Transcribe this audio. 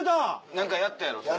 何かやったやろそれ。